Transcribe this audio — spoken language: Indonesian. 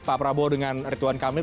pak prabowo dengan ritwan kamil